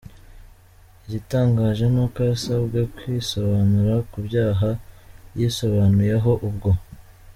Igitangaje nuko yasabwe kwisobanura kubyaha yisobanuyeho ubwo